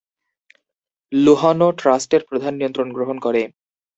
লুহনো ট্রাস্টের প্রধান নিয়ন্ত্রণ গ্রহণ করেন।